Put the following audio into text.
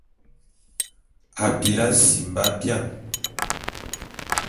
Abili asimba bian.